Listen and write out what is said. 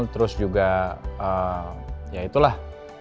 terus juga ya itulah